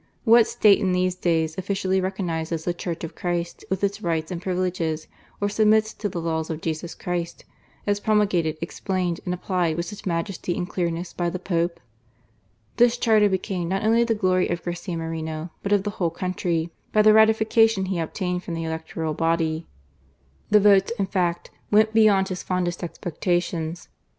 What State in these days officially recognizes the Church of Christ with its rights and privileges, or submits to the laws of Jesus Christ, as promulgated, explained, and applied with such majesty and clearness by the Pope ? This charter became not only the glory of Garcia Moreno, but of the whole country, by the ratifica THE ASSASSIN CORNEJO, 217 tion he obtained from the electoral body. The votes, in fact, went beyond his fondest expectations.